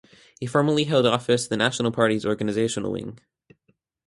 He formerly held office in the National Party's organisational wing.